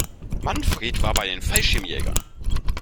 Manfred war bei den Fallschirmjägern.